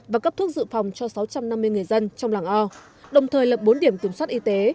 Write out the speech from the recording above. và cấp thuốc dự phòng cho sáu trăm năm mươi người dân trong làng o đồng thời lập bốn điểm kiểm soát y tế